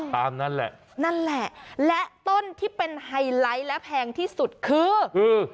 นั่นแหละนั่นแหละนั่นแหละและต้นที่เป็นไฮไลท์และแพงที่สุดคือคือ